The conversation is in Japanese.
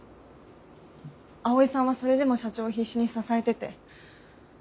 碧さんはそれでも社長を必死に支えてて。